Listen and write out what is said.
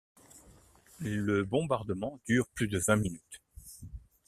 Le bombardement dure plus de vingt minutes.